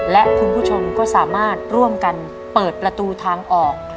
และคุณผู้ชมก็สามารถร่วมกันเปิดประตูทางออก